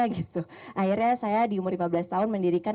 akhirnya saya di umur lima belas tahun mendirikan